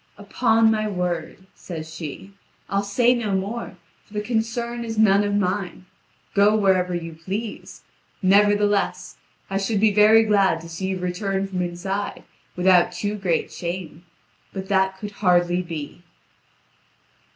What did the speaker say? "Upon my word," says she, "I'll say no more, for the concern is none of mine. Go wherever you please. Nevertheless, I should be very glad to see you return from inside without too great shame; but that could hardly be."